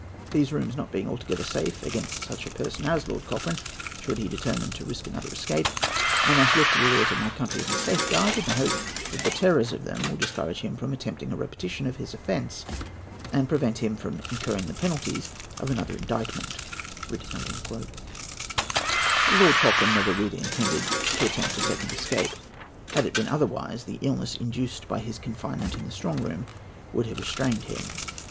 These rooms not being altogether safe against such a person as Lord Cochrane, should he determine to risk another escape, I must look to the laws of my country as a safeguard, in the hope that the terrors of them will discourage him from attempting a repetition of his offence, and prevent him from incurring the penalties of another indictment." Lord Cochrane never really intended to attempt a second escape. Had it been otherwise, the illness induced by his confinement in the Strong Room would have restrained him.